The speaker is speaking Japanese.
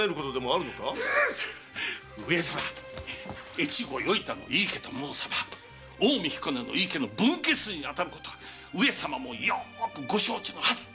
越後与板の井伊家と申さば近江彦根の井伊家の分家筋にあたることは上様もよくご承知のはず。